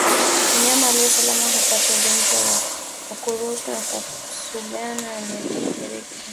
Mnyama aliye salama hupata ugonjwa wa ukurutu kwa kugusana na aliyeathirika